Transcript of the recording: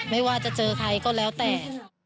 ไม่ว่าจะเจอใครก็แล้วแต่